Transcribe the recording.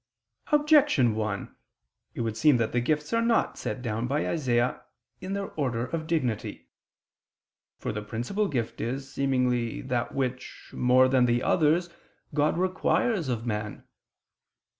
Objection 1: It would seem that the gifts are not set down by Isaias in their order of dignity. For the principal gift is, seemingly, that which, more than the others, God requires of man.